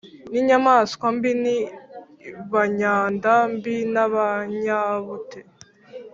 ni inyamaswa mbi ni abanyanda mbi b’abanyabute.”